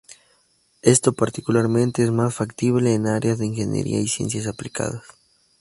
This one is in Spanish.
Esto, particularmente, es más factible en áreas de ingeniería y ciencias aplicadas.